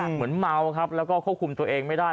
เมาครับแล้วก็ควบคุมตัวเองไม่ได้